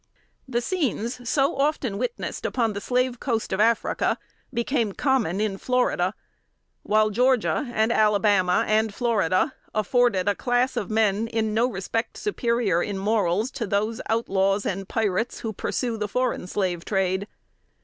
The scenes so often witnessed upon the slave coast of Africa became common in Florida; while Georgia, and Alabama, and Florida, afforded a class of men in no respect superior in morals to those outlaws and pirates who pursue the foreign slave trade.